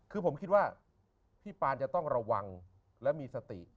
คือผมคิดว่าพี่ปานจะต้องระวังและมีสติ